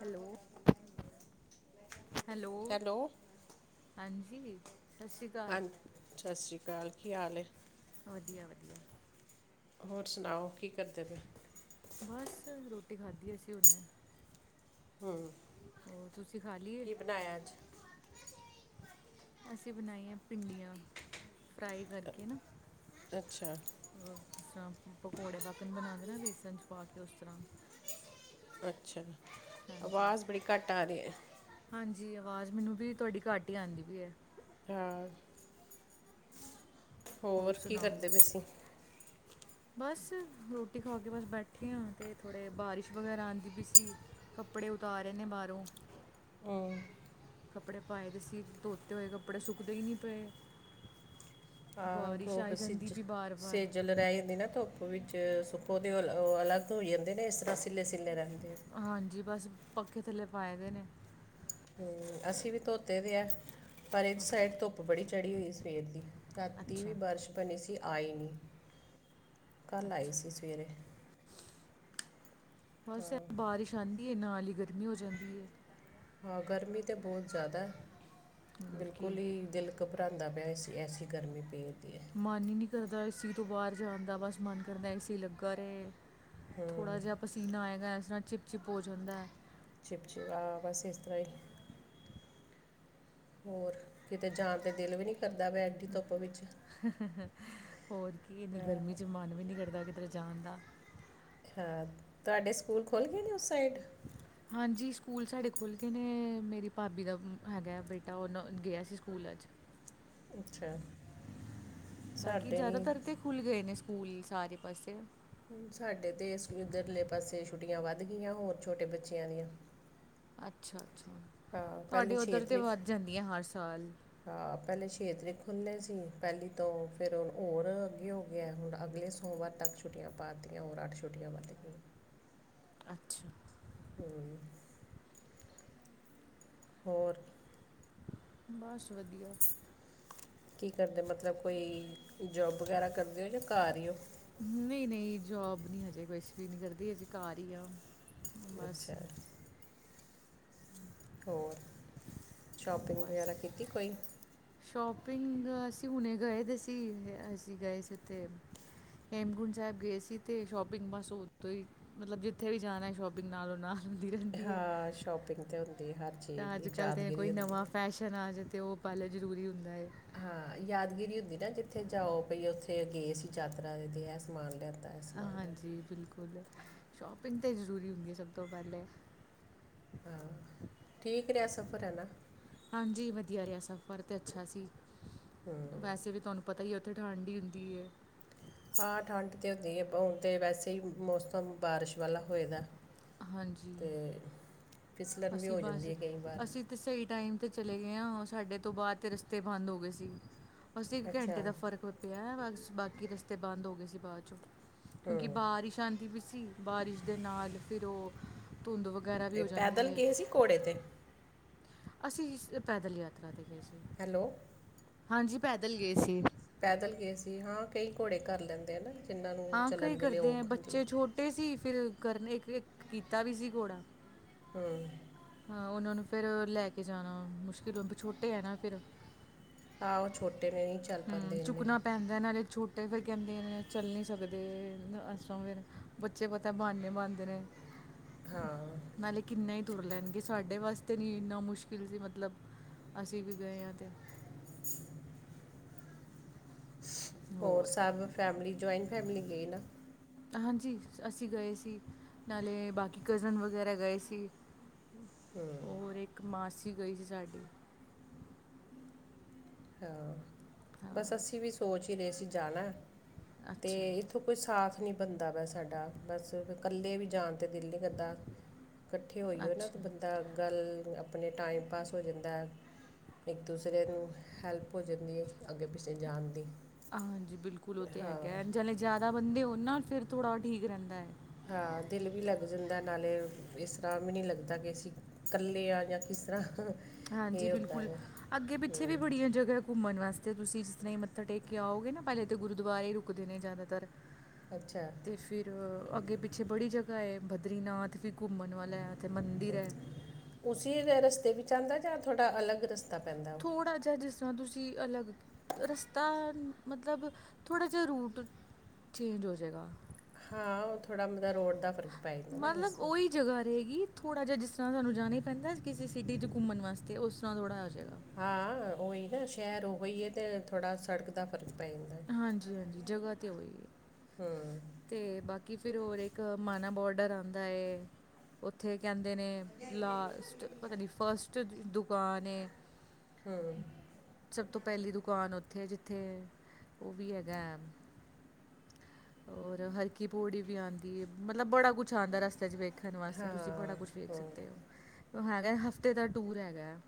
Hello hello, hello ਹਾਂਜੀ। ਸਤਿ ਸ਼੍ਰੀ ਅਕਾਲ ਹਾਂਜੀ ਸਤਿ ਸ਼੍ਰੀ ਅਕਾਲ, ਕੀ ਹਾਲ ਐ? ਵਧੀਆ ਵਧੀਆ, ਹੋਰ ਸੁਣਾਓ ਕੀ ਕਰਦੇ ਪਏ। ਬਸ ਰੋਟੀ ਖਾਧੀ ਅਸੀਂ ਹੁਣੇ, ਹੂੰ, ਹੋਰ ਤੁਸੀਂ ਖਾ ਲਈਏ। ਅਸੀਂ ਬਣਾਈਆਂ ਭਿੰਡੀਆਂ ਫਰਾਈ ਕਰਕੇ ਨਾ। ਅੱਛਾ ਜਿਸ ਤਰ੍ਹਾਂ ਪਕੌੜੇ ਵਾਕਣ ਬਣਾਉਦੇ ਨਾ ਬੇਸਨ ਚ ਪਾ ਕੇ ਉਸ ਤਰ੍ਹਾਂ ਅੱਛਾ, ਹਾਂਜੀ ਅਵਾਜ਼ ਬੜੀ ਘੱਟ ਆ ਰਹੀ ਹੈ। ਹਾਂਜੀ, ਆਵਾਜ਼ ਮੈਨੂੰ ਵੀ ਤੁਹਾਡੀ ਘੱਟ ਹੀ ਆਂਦੀ ਪਈ ਹੈ। ਹਾਂ, ਹੋਰ ਕੀ ਕਰਦੇ ਪਏ ਸੀਂ ਬਸ ਰੋਟੀ ਖਾ ਕੇ ਬਸ ਬੈਠੇ ਆ ਤੇ ਥੋੜੇ ਬਾਰਿਸ਼ ਵਗੈਰਾ ਆਉਂਦੀ ਪਈ ਸੀ। ਕੱਪੜੇ ਉਤਾਰੇ ਨੇ ਬਾਹਰੋਂ ਕਪੜੇ ਪਾਏ ਦੇ ਸੀ ਧੋਤੇ ਹੋਏ ਕਪੜੇ ਸੁੱਕਦੇ ਹੀ ਨਈ ਪਏ। ਆਹ ਬਾਰਿਸ਼ ਗੋ ਆਈ ਜਾਂਦੀ ਸਿੱਜ ਵੀ ਬਾਰ-ਬਾਰ ਸੇਜਲ ਰਹਿ ਜਾਂਦੀ ਨਾ ਧੁੱਪ। ਵਿੱਚ ਸੁੱਕੋ ਤੇ ਅਲੱਗ ਤੋਂ ਹੋਈ ਜਾਂਦੇ ਨੇ ਇਸ ਤਰ੍ਹਾਂ ਸਿੱਲੇ ਸਿੱਲੇ ਰੱਖਦੇ ਆ। ਹਾਂਜੀ, ਬਸ ਪੱਖੇ ਥੱਲੇ ਪਾਏ ਦੇ ਨੇ। ਹੂੰ, ਅਸੀਂ ਵੀ ਤੋ ਤੇ ਹੈ ਪਰ ਇਹ ਅੱਛਾ ਸਾਈਡ ਧੁੱਪ ਬੜੀ ਚੜੀ ਹੋਈ ਸਵੇਰ ਦੀ ਰਾਤੀ ਵੀ ਅੱਛਾ ਬਾਰਿਸ਼ ਬਣੀ ਸੀ ਆਈ ਨਹੀਂ ਕੱਲ੍ਹ ਆਈ ਅੱਛਾ ਸੀ ਸਵੇਰੇ ਬਸ ਬਾਰਿਸ਼ ਆਉਂਦੀ ਨਾਲ ਹੀ ਗਰਮੀ ਹੋ ਜਾਂਦੀ ਹੈ। ਹਾਂ, ਗਰਮੀ ਤਾਂ ਬਹੁਤ ਜ਼ਿਆਦਾ ਹੋਰ ਕੀ ਬਿਲਕੁਲ ਹੀ ਦਿਲ ਘਬਰਾਉਂਦਾ ਪਿਆ ਇਸ ਐਸੀ ਗਰਮੀ ਪਈ ਦੀ ਹੈ। ਮਨ ਹੀ ਨਹੀਂ ਕਰਦਾ ਏਸੀ ਤੋਂ ਬਾਹਰ ਜਾਣ ਦਾ ਬਸ ਮਨ ਕਰਦਾ ਏਸੀ ਲੱਗਾ ਰਹੇ। ਥੋੜ੍ਹਾ ਜਿਹਾ ਪਸੀਨਾ ਆਏਗਾ ਇਸ ਤਰਾ ਚਿਪ ਚਿਪ ਹੋ ਜਾਂਦਾ ਹੈ। ਚਿਪਚਿਪਾ ਆਹ ਬਸ ਇਸ ਤਰ੍ਹਾਂ ਹੀ ਹੋਰ ਕਿਤੇ ਜਾਣ ਤੇ ਦਿਲ ਵੀ ਨਹੀਂ ਕਰਦਾ ਪਿਆ ਐਡੀ ਧੁੱਪ ਵਿੱਚ ਹੋਰ ਕੀ ਇੰਨੀ ਗਰਮੀ 'ਚ ਮਨ ਵੀ ਨਹੀਂ ਕਰਦਾ ਕਿਧਰੇ ਜਾਣ ਦਾ। ਅਛਾ, ਤੁਹਾਡੇ ਸਕੂਲ ਖੋਲ੍ਹ ਗਏ ਨੇ ਉਸ ਸਾਈਡ। ਹਾਂਜੀ, ਸਕੂਲ ਸਾਡੇ ਖੁਲ੍ਹ ਗਏ ਨੇ ਮੇਰੀ ਭਾਬੀ ਦਾ ਹੈਗਾ ਬੇਟਾ ਉਹ ਨ ਗਿਆ ਸੀ ਸਕੂਲ ਅੱਜ ਅੱਛਾ, ਬਾਕੀ ਸਾਡੇ ਜ਼ਿਆਦਾ ਤਰ ਨਹੀਂ ਤਾਂ ਖੁੱਲ ਗਏ ਨੇ ਸਕੂਲ ਸਾਰੇ ਪਾਸੇ ਸਾਡੇ ਤੇ ਇੱਧਰਲੇ ਪਾਸੇ ਛੁੱਟੀਆਂ ਵੱਧ ਗਈਆਂ ਹੋਰ ਛੋਟੇ ਬੱਚਿਆਂ ਦੀਆਂ ਅੱਛਾ, ਅੱਛਾ ਹਾਂ ਤੁਹਾਡੇ ਪਹਿਲੇ ਉੱਧਰ ਤਾਂ ਤਰੀਕ ਵੱਧ ਜਾਂਦੀਆਂ ਹਰ ਸਾਲ ਪਹਿਲੇ ਛੇ ਤਰੀਕ ਖੁੱਲ੍ਹੇ ਸੀ ਪਹਿਲੀ ਤੋਂ ਫਿਰ ਹੋਰ ਅੱਗੇ ਹੋ ਗਿਆ ਹੁਣ ਅਗਲੇ ਸੋਮਵਾਰ। ਤਕ ਛੁਟਿਆਂ ਪਾ ਤੀਆਂ ਹੋਰ ਅੱਠ ਛੁੱਟ ਵੱਧ ਗਿਆ। ਅੱਛਾ, ਹੂੰ, ਹੋਰ ਬਸ ਵਧੀਆ। ਕੀ ਕਰਦੇ ਮਤਲਬ ਕੋਈ ਜੋਬ ਵਗੈਰਾ ਕਰਦੇ ਹੋ ਜਾਂ ਘਰ ਹੀ ਹੋ। ਨਹੀਂ ਨਹੀਂ, ਜੋਬ ਨੀ ਹਜੇ ਕੁਛ ਵੀ ਨੀ ਕਰਦੀ ਹਜੇ ਘਰ ਹੀ ਆ ਬਸ ਅੱਛਾ ਹੋਰ ਸ਼ੋਪਿੰਗ ਬਸ। ਵਗੈਰਾ ਕੀਤੀ ਕੋਈ ਸ਼ੋਪਿੰਗ ਅਸੀਂ ਹੁਣੇ ਗਏ ਦੇ ਸੀ ਅਸੀਂ ਗਏ ਸੀ ਉੱਥੇ ਹੇਮਕੁੰਡ ਸਾਹਿਬ ਗਏ ਸੀ ਤੇ ਸ਼ੋਪਿੰਗ ਬਸ ਉਥੋਂ ਹੀ, ਮਤਲਬ ਜਿੱਥੇ ਵੀ ਜਾਣਾ ਸ਼ੋਪਿੰਗ ਨਾਲੋਂ ਨਾਲ ਹੁੰਦੀ ਰਹਿੰਦੀ ਹੈ। ਹਾਂ, ਸ਼ੋਪਿੰਗ 'ਤੇ ਹੁੰ ਤਾਂ ਅੱਜ ਕੱਲ੍ਹ ਤਾਂ ਕੋਈ ਨਵਾਂ ਫੈਸ਼ਨ ਆ ਜ ਤੇ ਉਹ ਪਲ ਜ਼ਰੂਰੀ ਹੁੰਦਾ ਹੈ। ਹਾਂ, ਯਾਦਗਿਰੀ ਹੁੰਦੀ ਨਾ ਜਿੱਥੇ ਜਾਓ ਵੀਈ ਉੱਥੇ ਗਏ ਸੀ ਯਾਤਰਾ ਤੇ ਇਹ ਸਮਾਨ ਲਿਆ। ਹਾਂਜੀ, ਬਿਲਕੁਲ ਸ਼ੋਪਿੰਗ ਤਾਂ ਜ਼ਰੂਰੀ ਹੁੰਦੀ ਸਭ ਤੋਂ ਪਹਿਲਾਂ ਹਾਂ, ਠੀਕ ਰਿਹਾ ਸਫ਼ਰ ਹੈ ਨਾ। ਹਾਂਜੀ, ਵਧੀਆ ਰਿਹਾ, ਸਫ਼ਰ ਤੇ ਅੱਛਾ ਸੀ। ਹੂੰ, ਵੈਸੇ ਵੀ ਤੁਹਾਨੂੰ ਪਤਾ ਹੀ ਉੱਥੇ ਠੰਡ ਹੀ ਹੁੰਦੀ ਹੈ। ਹਾਂ, ਠੰਢ ਤੇ ਹੁੰਦੀ ਹੈ ਹੁਣ ਤੇ ਵੈਸੇ ਹੀ ਮੌਸਮ ਬਾਰਿਸ਼ ਵਾਲਾ ਹੋਏ ਦਾ। ਹਾਂਜੀ। ਫਿਸਲਣ ਵੀ ਅਸੀਂ ਹੋ ਬਸ ਜਾਂਦੀ ਹੈ ਕਈ ਵਾਰ ਅਸੀਂ ਤੇ ਸਹੀ ਟਾਈਮ ਤੇ ਚਲੇ ਗਏ ਹਾਂ। ਸਾਡੇ ਤੋਂ ਬਾਅਦ ਤੇ ਰਸਤੇ ਬੰਦ ਹੋ ਗਏ ਸੀ। ਅਸੀਂ ਇੱਕ ਅੱਛਾ ਘੰਟੇ ਦਾ ਫ਼ਰਕ ਪਿਆ ਬਸ ਬਾਕੀ ਰਸਤੇ ਬੰਦ ਹੋ ਗਏ ਸੀ ਬਾਅਦ 'ਚੋਂ ਹੂੰ ਕਿਉਂਕਿ ਬਾਰਿਸ਼ ਆਉਂਦੀ ਵੀ ਸੀ। ਬਾਰਿਸ਼ ਦੇ ਨਾਲ ਫਿਰ ਉਹ ਧੁੰਦ ਵਗੈਰਾ ਵੀ ਅਤੇ ਹੋ ਪੈਦਲ ਜਾਂਦੀ ਹੈ ਗਏ ਸੀ ਘੋੜੇ ਤੇ। ਅਸੀਂ ਇਸ ਪੈਦਲ ਯਾਤਰਾ ਤੇ ਗਏ ਸੀ। ਹੈਲੋ, ਹਾਂਜੀ, ਪੈਦਲ ਗਏ ਸੀ। ਪੈਦਲ ਗਏ ਸੀ। ਹਾਂ, ਕਈ ਘੋੜੇ ਕਰ ਲੈਂਦੇ ਨਾ ਜਿਹਨ੍ਹਾਂ ਨੂੰ ਚੱਲਣ ਵੇਲੇ ਔਖ ਹੁੰਦੀ। ਕੱਟੇ ਸੀ। ਫਿਰ ਕਰਨ ਇੱਕ ਕੀਤਾ ਵੀ ਸੀ ਘੋੜਾ। ਹੂੰ, ਹਾਂ, ਉਹਨਾਂ ਨੂੰ ਫਿਰ ਲੈ ਕੇ ਜਾਣਾ ਮੁਸ਼ਕਿਲ ਛੋਟੇ ਹੈ ਨਾ ਫਿਰ। ਹਾਂ, ਉਹ ਛੋਟੇ ਮੇ ਨ ਹੂੰ, ਚੁੱਕਣਾ ਪੈਂਦਾ ਇਹਨਾਂ ਛੋਟੇ ਫੇਿਰ ਕਹਿੰਦੇ ਚੱਲ ਨਹੀਂ ਸਕਦੇ। ਇਸ ਤਰ ਫਿਰ ਬੱਚੇ ਪਤਾ ਬੇ ਬਣਾਦੇ ਨੇ। ਹਾਂ, ਨਾਲੇ ਕਿੰਨਾ ਹੀ ਤੁਰ ਲੈਣਗੇ ਸਾਡੇ ਵਾਸਤੇ ਨੀ ਇੰਨਾ ਮੁਸ਼ਕਿਲ ਸੀ। ਮਤਲਬ- ਅਸੀਂ ਵੀ ਗਏ ਹਾਂ, ਤੇ ਹੋਰ ਸਭ ਫੈਮਲੀ, ਜੁਆਇੰਟ ਫੈਮਿਲੀ ਗਈ ਨਾ। ਹਾਂਜੀ, ਅਸੀਂ ਗਏ ਸੀ ਨਾਲੇ ਬਾਕੀ ਕਜ਼ਨ ਵਗੈਰਾ ਗਏ ਸੀ। ਹੋਰ ਇੱਕ ਮਾਸੀ ਗਈ ਸੀ ਸਾਡੀ। ਹਾਂ, ਹਾਂ ਬਸ ਅਸੀਂ ਵੀ ਸੋਚ ਹੀ ਰਹੇ ਸੀ ਜਾਣਾ ਤੇ ਅੱਛਾ ਇੱਥੋਂ ਕੋਈ ਸਾਥ ਨਹੀਂ ਬਣਦਾ ਵਾ ਸਾਡਾ। ਬਸ, ਇਕੱਲੇ ਵੀ ਜਾਣ ਦਿਲ ਨਹੀਂ ਕਰਦਾ। ਇਕੱਠੇ ਹੋਈਏ ਨਾ ਤਾਂ ਅੱਛਾ ਬੰ ਦਾ ਗੱਲ ਆਪਣੇ ਟਾਈਮ ਪਾਸ ਹੋ ਜਾਂਦਾ। ਇੱਕ- ਦੂਸਰੇ ਨੂੰ ਹੈਲਪ ਹੋ ਜਾਂਦੀ। ਦੀ ਅੱਗੇ- ਪਿੱਛੇ ਜਾਣ ਦੀ ਹਾਂਜੀ ਬਿਲਕੁਲ ਉਹ ਤੇ ਹਾਂ। ਹੈਗਾ ਜਲੇ ਜ਼ਿਆਦਾ ਬੰਦੇ ਹੋ ਨਾਲ ਫਿਰ ਥੋੜ੍ਹਾ ਉਹ ਠੀਕ ਰਹਿੰਦਾ ਹੈ। ਹਾਂ, ਦਿਲ ਵੀ ਲੱਗ ਜਾਂਦਾ ਨਾਲੇ, ਇਸ ਤਰ੍ਹਾਂ ਵੀ ਨੀ ਲੱਗਦਾ। ਕਿ ਅਸੀਂ ਇਕੱਲੇ ਆ ਜਾਂ ਕਿਸ ਤਰ੍ਹਾਂ ਹਾਂਜੀ, ਇਹ ਉੱਦਾਂ ਬਿਲਕੁਲ ਦੇ ਅੱਗੇ -ਪਿੱਛੇ ਹੂੰ ਵੀ ਬੜੀਆਂ ਜਗ੍ਹਾ ਘੁੰਮਣ ਵਾਸਤੇ ਤੁਸੀਂ ਜਿਸ ਤਰ੍ਹਾਂ ਹੀ ਮੱਥਾ ਟੇਕ ਕੇ ਆਓਗੇ ਨਾ ਪਹਿਲੇ ਤਾਂ ਗੁਰਦੁਆਰੇ ਹੀ ਰੁਕਦੇ ਨੇ ਜ਼ਿਆਦਾਤਰ। ਅੱਛਾ। ਅਤੇ ਫਿਰ ਅੱਗੇੇ -ਪਿੱਛੇ ਬੜੀ ਜਗਾ ਬਦਰੀਨਾਥ ਵੀ ਘੁੰਮਣ ਵਾਲਾ ਹੈ, ਉੱਥੇ ਮੰਦਿਰ ਹੈ। ਉਸ ਰਸਤੇ ਵਿੱਚ ਆਉਂਦਾ ਜਾਂ ਥੋੜਾ ਅਲੱਗ ਰਸਤਾ ਪੈਂਦਾ ਉਹ ਥੋੜਾ ਜਿਹਾ ਜਿਸ- ਤਾਂ ਤੁਸੀਂ ਅਲੱਗ ਰਸਤਾ ਮਤਲਬ ਥੋੜ੍ਹਾ ਜਿਹਾ ਰੂਟ ਚੇਂਜ ਹੋ ਜਾਏਗਾ। ਹਾਂ, ਉਹ ਥੋੜਾ ਮਤਲਬ ਰੋਡ ਦਾ ਫਰਕ ਪੈ ਜਾਂਦਾ ਨਾ ਇਸ ਮਤਲਬ ਉਹੀ ਜਗਾ ਰਹੇਗੀ। ਥੋੜਾ ਜਿਹਾ ਜਿਸ ਤਰਾਂ, ਸਾਨੂੰ ਜਾਣਾ ਹੀ ਪੈਂਦਾ ਏ। ਕਿਸੇ ਸਿਟੀ ਚ ਘੁੰਮਣ ਵਾਸਤੇ, ਉਸ ਤਰਾਂ ਥੋੜਾ, ਜਿਹਾ ਜਾਏਗਾ। ਹਾਂ, ਓਈ ਨਾ ਸ਼ਹਿਰ ਉਈ ਹੈ। ਤੇ ਥੋੜਾ ਸੜਕ ਦਾ ਫ਼ਰਕ, ਪੈ ਜਾਂਦਾ ਹੈ। ਹਾਂਜੀ, ਹਾਂਜੀ ਜਗ੍ਹਾ ਤੇ ਉਹੀ ਹੈ। ਤੇ ਬਾਕੀ ਫੇਰ, ਹੋਰ ਇੱਕ ਮਾਨਾ ਬੋਡਰ, ਆਉਂਦਾ ਏ। ਉੱਥੇ ਕਹਿੰਦੇ ਨੇ। ਲਾਸਟ ਪਤਾ ਨਹੀਂ, ਫਸਟ ਦੁਕਾਨ ਐ। [inaudible] ਸਭ ਤੋਂ ਪਹਿਲੀ, ਦੁਕਾਨ ਉੱਥੇ ਹੈ। ਜਿੱਥੇ ਉਹ ਵੀ ਹੈਗਾ। ਔਰ, ਹਰ ਕੀ ਪੌੜੀ ਵੀ, ਆਂਦੀ ਏ। ਮਤਲਬ ਬੜਾ ਕੁਛ ਆਂਦਾ ਰਸਤੇ ਚ ਤੇ। ਦੇਖਣ ਵਾਸਤੇ। ਤੁਸੀਂ ਬੜਾ ਹਾਂ ਕੁਛ ਵੇਖ ਹੂੰ ਸਕਦੇ ਹੋ। ਹੈਗਾ ਹਫ਼ਤੇ, ਦਾ ਟੂਰ ਹੈਗਾ ਹੈ।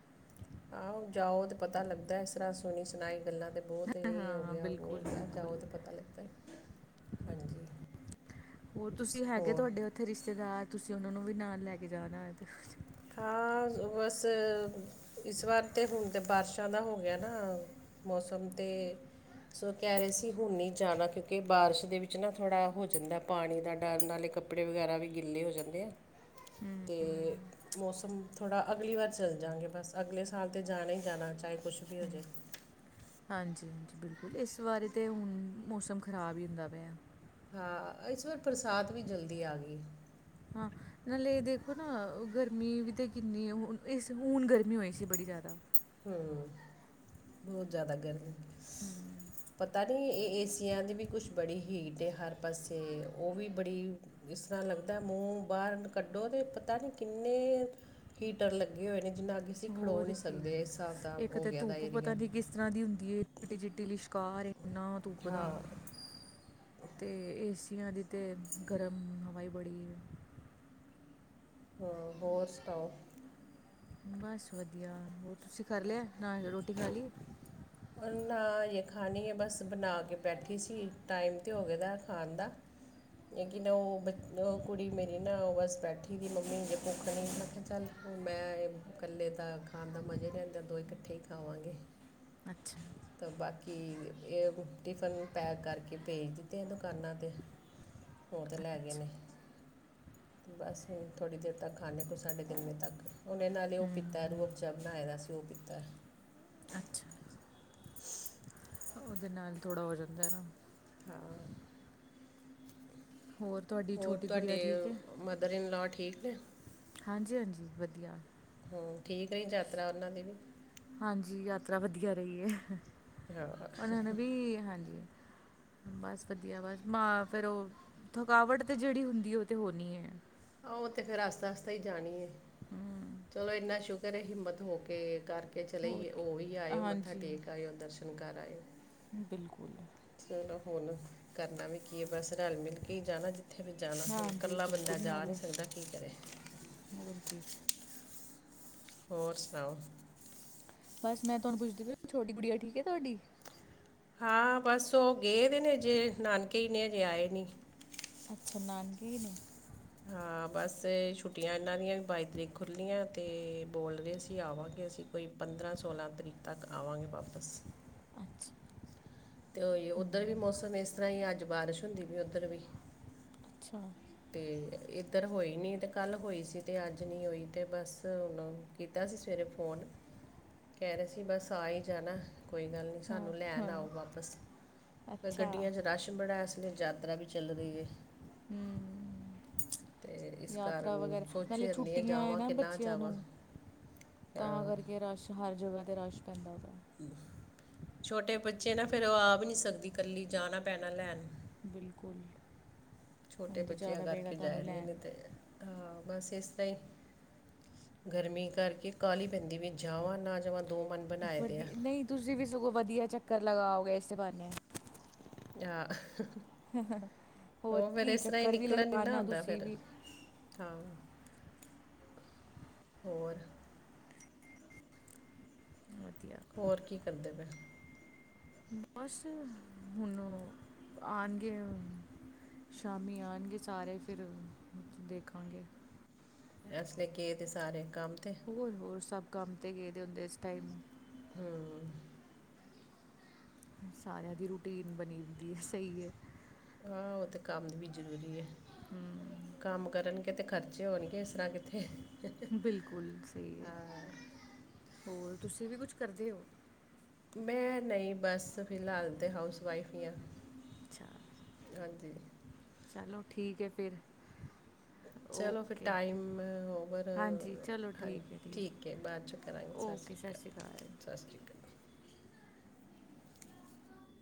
ਆਹੋ ਜਾਓ, ਤੇ ਪਤਾ ਲੱਗਦਾ। ਇਸ ਤਰਾਂ ਸੁਣੀ ਸੁਣਾਈ ਗੱਲਾਂ ਤੇ। ਬਹੁਤ ਇਹ ਹੋ ਹਾਂ ਗਿਆ। ਓਹ ਹੋ ਬਿਲਕੁਲ ਗਿਆ, ਜਾਓ ਬਿਲਕੁਲ ਤਾਂ ਪਤਾ ਲੱਗਦਾ ਹੈ। ਹਾਂਜੀ। ਹੋਰ ਤੁਸੀਂ, ਹੈਗੇ ਹੋਰ ਤੁਹਾਡੇ ਉੱਥੇ, ਰਿਸ਼ਤੇਦਾਰ। ਤੁਸੀਂ ਉਹਨਾ ਨੂੰ ਵੀ, ਨਾਲ ਲੈ ਕੇ ਜਾਣਾ। ਹਾਂ। ਬਸ ਇਸ ਵਾਰ ਤੇ, ਹੁਣ ਤੇ ਬਾਰਿਸ਼ਾਂ ਦਾ ਹੋ ਗਿਆ ਨਾ। ਮੌਸਮ ਤੇ। ਸੋ ਕਹਿ ਰਹੇ ਸੀ। ਹੁਣ ਨਹੀਂ ਜਾਣਾ। ਕਿਉਂਕਿ ਬਾਰਿਸ਼ ਦੇ ਵਿੱਚ ਨਾ, ਥੋੜਾ ਹੋ ਜਾਂਦਾ ਏ। ਪਾਣੀ ਦਾ ਡਰ, ਨਾਲੇ ਕੱਪੜੇ। ਕੱਪੜੇ ਵਗੈਰਾ ਵੀ, ਗਿੱਲੇ ਹੋ ਜਾਂਦੇ ਆ। ਹੂੰ ਤੇ ਮੌਸਮ ਥੋੜਾ ਅਗਲੀ ਵਾਰ, ਚੱਲ ਜਾਂਗੇ ਬਸ, ਅਗਲੇ ਸਾਲ ਤਾਂ ਜਾਣਾ ਹੀ ਜਾਣਾ। ਚਾਹੇ ਕੁਛ ਵੀ ਹੋ ਹੂੰ, ਜਾਵੇ। ਹਾਂਜੀ- ਹਾਂਜੀ, ਬਿਲਕੁਲ ਇਸ ਬਾਰੇ ਤੇ, ਹੁਣ ਮੌਸਮ ਖ਼ਰਾਬ ਹੀ ਹੁੰਦਾ ਪਿਆ। ਹਾਂ, ਇਸ ਵਾਰ, ਬਰਸਾਤ ਵੀ ਜਲਦੀ, ਆ ਗਈ। ਹਾਂ। ਨਾਲੇ ਦੇਖੋ ਨਾ। ਗਰਮੀ ਵੀ ਤੇ ਕਿੰਨੀ। ਹੁਣ ਗਰਮੀ ਹੋਈ ਸੀ। ਬੜੀ ਜ਼ਿਆਦਾ। ਹੂੰ। ਬਹੁਤ ਜ਼ਿਆਦਾ ਗਰਮੀ। ਹੂੰ ਪਤਾ ਨੀ, ਇਹ ਏਸੀਆਂ ਦੀ ਵੀ, ਕੁਛ ਬੜੀ ਹੀਟ ਹੈ। ਹਰ ਪਾਸੇ, ਉਹ ਵੀ ਬੜੀ। ਇਸ ਤਰਾਂ ਲੱਗਦਾ, ਮੂੰਹ ਬਾਹਰ ਕੱਢੋ ਤੇ, ਪਤਾ ਨੀ ਕਿੰਨੇ। ਹੀਟਰ ਲੱਗੇ ਹੋਏ ਨੇ। ਜਿਨਾ ਅੱਗੇ ਅਸੀਂ, ਖੜੋ ਹੋਰ ਨੀ ਕੀ ਸਕਦੇ। ਹਿਸਾਬ ਦਾ ਇੱਕ ਹੋ ਤੇ ਗਿਆ ਦਾ ਧੂੱਪ, ਏਰੀਆ ਪਤਾ ਨੀ ਕਿਸ। ਇਸ ਤਰਾਂ ਦੀ ਹੁੰਦੀ ਹੈ। ਚਿੱਟੀ- ਚਿੱਟੀ, ਲਸ਼ਕਾਰ ਇੰਨਾ ਤੁਪਦਾ। ਹਾਂ ਤੇ ਏਸੀਆਂ, ਦੀ ਤੇ ਗਰਮ, ਹਵਾ ਈ ਬੜੀ ਹੈ। ਹੂੰ। ਹੋਰ ਸਤਓ? ਬਸ ਵਧੀਆ। ਹੋਰ ਤੁਸੀਂ ਕਰ ਲਿਆ। ਨਾ ਰੋਟੀ ਖਾ ਲਈ ਏ। ਨਾਜ ਖਾਣੀ ਹੈ। ਬਸ ਬਣਾ ਕੇ, ਬੈਠੀ ਸੀ। ਟਾਈਮ ਤੇ ਹੋ। ਗਦਾ ਖਾਣ ਦਾ। ਲੇਕਿਨ ਉਹ ਕੁੜੀ, ਮੇਰੀ ਨਾ ਉਹ ਬਸ, ਬੈਠੀ ਦੀ ਮੰਮੀ ਅ ਭੁੱਖ ਨਹੀਂ, ਮੈਂ ਕਿਹਾ ਚੱਲ। ਮੈਂ ਇਕੱਲੇ ਤਾਂ, ਖਾਣ ਦਾ ਮਜ਼ੇ ਨੀ ਰਹਿੰਦਾ ਦੋ ਇਕੱਠੇ ਹੀ ਖਾਵਾਂਗੇ। ਅੱਛਾ। ਤਾਂ ਬਾਕੀ, ਇਹ ਟਿਫਨ ਪੈਕ, ਕਰਕੇ ਭੇਜ ਦਿੱਤੇ ਦੁਕਾਨਾਂ ਤੇ। ਉਹ ਤੇ, ਲੈ ਗਏ ਨੇ। ਬਸ ਥੋੜੀ ਦੇਰ ਤੱਕ, ਖਾਣੇ ਆ, ਕੁਈ ਸਾਢੇ ਤਿੰਨ ਵਜੇ ਤੱਕ। ਉਹਨੇ ਨਾਲੇ, ਉਹ ਹੂੰ ਪੀਤਾ, ਰਜਾ ਬਣਾਇਆ ਸੀ। ਉਹ ਪੀਤਾ। ਅੱਛਾ। ਉਹਦੇ ਨਾਲ, ਥੋੜਾ ਹੋ ਜਾਂਦਾ ਨਾ। ਹਾਂ। ਹੋਰ? ਤੁਹਾਡੀ ਹੋਰ ਛੋਟੀ ਗੁੜੀਆ ਠੀਕ ਤੁਹਾਡੇ, ਹੈ ਮਦਰ ਇਨ ਲਾਅ, ਠੀਕ ਨੇ। ਹਾਂਜੀ- ਹਾਂਜੀ, ਵਧੀਆ। ਹੂੰ। ਠੀਕ ਰਹੀ, ਯਾਤਰਾ ਉਹਨਾਂ ਦੀ ਵੀ। ਹਾਂਜੀ, ਯਾਤਰਾ ਵਧੀਆ ਰਹੀ ਹੈ। ਹਾਂ ਉਹਨਾਂ ਨੇ ਵੀ, ਹਾਂਜੀ। ਬਸ ਵਧੀਆ, ਬਸ ਮ ਫੇਰ ਉਹ, ਥਕਾਵਟ ਤੇ ਜਿਹੜੀ ਹੁੰਦੀ ਏ। ਉਹ ਤੇ ਹੋਣੀ ਹੈ। ਆਹ ਤੇ ਫੇਰ, ਆਸਤਾ- ਆਸਤਾ ਹੀ ਜਾਣੀ ਏ। ਹਮ ਚਲੋ ਇੰਨਾ ਸ਼ੁਕ ਰੇ, ਹਿੰਮਤ ਹੋ ਕੇ, ਕਰਕੇ ਹੋਰ ਚਲੇ, ਕੀ ਉਹ ਵੀ ਆਇਓ। ਮੱਥਾ ਹਾਂਜੀ ਟੇਕ ਆਇਓ ਦਰਸ਼ਨ। ਹੁਣ ਕਰ ਆਏ ਬਿਲਕੁਲ ਚਲੋ ਹੁਣ ਕਰਨਾ ਵੀ ਕੀ ਹੈ ਬਸ ਰਲ ਮਿਲ ਕੇ ਜਾਣਾ ਉੱਥੇ ਵੀ ਜਾਣਾ ਹੁਣ ਹਾਂਜੀ ਇਕੱਲਾ ਬੰਦਾ ਬਿਲਕੁਲ ਜਾ ਨਹੀਂ ਨਾਲੇ ਸਕਦਾ ਕੀ ਕਰੇ ਹੋਰ ਕੀ ਹੋਰ ਸੁਣਾਓ ਬਸ ਮੈਂ ਤੁਹਾਨੂੰ ਪੁੱਛਦੀ ਛੋਟੀ ਗੁੜੀਆ ਠੀਕ ਹੈ ਤੁਹਾਡੀ ਹਾਂ ਬਸ ਉਹ ਗਏ ਦੇ ਨੇ ਅਜੇ ਨਾਨਕੇ ਨੇ ਅਜੇ ਆਏ ਨਹੀਂ ਅੱਛਾ ਨਾਨਕੇ ਨੇ, ਹਾਂ ਬਸ, ਛੁੱਟੀਆਂ ਇਹਨਾਂ ਦੀਆਂ ਬਾਈ ਤਰੀਕ ਖੁੱਲੀਆਂ। ਏ ਬੋਲ ਰਹੇ ਅ ਸੀ ਆਵਾਂਗੇ ਅਸੀਂ ਕੋਈ ਪੰਦਰਾਂ ਸੋਲਾਂ ਤਰੀਕ ਤੱਕ ਆਵਾਂਗੇ ਵਾਪਸ। ਅੱਛਾ। ਤੇ ਉੱਧਰ ਵੀ ਮੌਸਮ ਇਸ ਤਰ੍ਹਾਂ ਹੀ ਅੱਜ ਬਾਰਿਸ਼ ਹੁੰਦੀ ਪਈ ਹੈ। ਉੱਧਰ ਵੀ! ਅੱਛਾ। ਤੇ ਇੱਧਰ ਹੋਈ ਨਹੀਂ ਤੇ ਕੱਲ ਹੋਈ ਸੀ ਤੇ ਅੱਜ ਨਹੀਂ ਹੋਈ ਤੇ ਬਸ ਹੁਣ ਕੀਤਾ ਸੀ ਸਵੇਰੇ ਫੋਨ ਕਹਿ ਰਹੇ ਸੀ ਬਸ ਆ ਹੀ ਜਾਣਾ ਕੋਈ ਗੱਲ ਨਹੀਂ! ਹਾਂ ਸਾਨੂੰ ਲੈਣ ਆਓ ਹਾਂ ਵਾਪਸ ਅੱਛਾ ਗੱਡੀਆਂ ਚ ਰਸ ਬੜਾ ਹੈ ਇਸ ਯਤਰਾ ਵੀ ਚੱਲ ਰਹੀ ਹੈ। ਹੂ,,, ਅਤੇ ਇਸ ਯਾਤਰਾ ਕਾਰਨ ਵਗੈਰਾ ਨਾਲੇ ਸੋਚੇ ਰਹਿੰਦੀ ਹਾਂ ਛੁੱਟੀਆਂ ਹੈ ਜਾਵਾਂ ਨਾ ਕਿ ਬੱਚਿਆਂ ਜਾਵਾਂ ਨੂੰ ਤਾਂ ਕਰਕੇ ਰਸ਼ ਹਰ ਜਗ੍ਹਾ ਤੇ ਰਸ਼ ਪੈਂਦਾ ਉਹਦਾ। ਛੋਟੇ ਬੱਚੇ ਹੈ ਨਾ ਫਿਰ ਉਹ ਆ ਵੀ ਨਹੀਂ ਸਕਦੀ ਇਕੱਲੀ ਜਾਣਾ ਪੈਣਾ ਲੈਣ। ਬਿਲਕੁਲ, ਛੋਟੇ ਹੁਣ ਤੇ ਬੱਚਿਆਂ ਜਾਣਾ ਪਏਗਾ ਕਰਕੇ ਤੁਹਾਨੂੰ ਜਾਇਆ ਲੈਣ ਨੀ ਅਤੇ ਹਾਂ ਬਸ ਇਸ ਤਰ੍ਹਾਂ ਹੀ। ਗਰਮੀ ਕਰਕੇ ਕਾਲੀ ਪੈਂਦੀ ਵੀ ਜਾਵਾਂ ਨਾ ਜਾਵਾਂ। ਦੋ ਮਨ ਬਣਾਏ ਦੇ ਆ ਵਧੀ ਨਹੀਂ ਤੁਸੀਂ ਵੀ ਸਗੋਂ ਵਧੀਆ ਚੱਕਰ ਲਗਾਓਗੇ ਇਸੇ ਬਹਾਨੇ! ਆਹ! ਹੋਰ ਉਹ ਫਿਰ ਕੀ ਇਸ ਤਰ੍ਹਾਂ ਹੀ ਚੱਕਰ ਵੀ ਨਿਕਲਣ ਨਾ ਨਈ ਲਗਾਣਾ ਹੁੰਦਾ ਤੁਸੀਂ ਫਿਰ ਵੀ ਹਾਂ ਹੋਰ! ਵਧੀਆ। ਹੋਰ ਕੀ ਕਰਦੇ ਪਏ? ਬਸ ਹੁਣ ਉਹ ਆਉਣਗੇ। ਸ਼ਾਮੀ ਆਉਣਗੇ ਸਾਰੇ ਫਿਰ ਦੇਖਾਂਗੇ। ਇਸ ਲਈ ਗਏ ਤਾਂ ਸਾਰੇ ਕੰਮ ਤੇ। ਹੋਰ-ਹੋਰ ਸਭ ਕੰਮ ਤੇ ਗਏ ਹੁੰਦੇ ਆ ਇਸ ਟਾਈਮ। ਹੂੰ,,, ਸਾਰਿਆਂ ਦੀ ਰੂਟੀਨ ਬਣੀਦੀ ਹੁੰਦੀ ਸਹੀ ਹੈ। ਹਾਂ! ਉਹ ਤਾਂ ਕੰਮ ਵੀ ਜ਼ਰੂਰੀ ਹੈ। ਹੂੰ ਕੰਮ ਕਰਨਗੇ ਤੇ ਖਰਚੇ ਹੋਣਗੇ। ਇਸ ਤਰ੍ਹਾਂ ਕਿੱਥੇ ਬਿਲਕੁਲ ਸਹੀ ਹੈ। ਹੋਰ ਤੁਸੀਂ ਵੀ ਕੁਛ ਕਰਦੇ ਹੋ! ਮੈਂ ਨਹੀਂ ਬਸ ਫਿਲਹਾਲ ਤਾਂ ਹਾਊਸ ਵਾਈਫ ਹੀ ਹਾਂ। ਅੱਛਾ। ਹਾਂਜੀ! ਚਲੋ ਠੀਕ ਹੈ ਫਿਰ! ਚਲੋ ਫਿਰ ਓਕੇ ਟਾਈਮ ਓਵਰ ਹਾਂਜੀ ਚਲੋ ਠੀਕ ਹਾਂਜੀ। ਹੈ ਠੀਕ ਹੈ ਬਾਅਦ ਚੌ ਕਰਾਂਗੇ ਸਤਿ ਸ਼੍ਰੀ ਅਕਾਲ! ਸਤਿ ਸ਼੍ਰੀ। ਅਕਾਲ